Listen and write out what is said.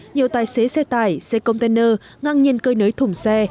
nhiều tài xế xe tải xe container ngang nhiên cơi nới thùng xe